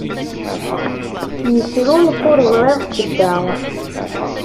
Yettru nekk ur ẓṛiɣ sebba.